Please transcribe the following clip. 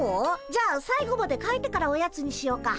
じゃあ最後までかいてからおやつにしようか。